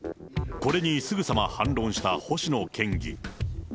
これにすぐさま反論した星野県議。